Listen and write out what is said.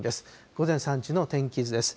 午前３時の天気図です。